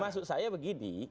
maksud saya begini